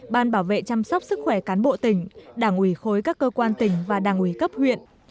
ban bảo vệ chăm sóc sức khỏe cán bộ tỉnh đảng ủy khối các cơ quan tỉnh và đảng ủy cấp huyện